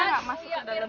uya mas ke dalam